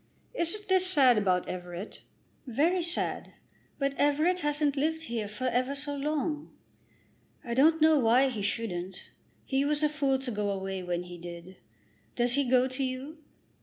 Isn't this sad about Everett?" "Very sad. But Everett hasn't lived here for ever so long." "I don't know why he shouldn't. He was a fool to go away when he did. Does he go to you?"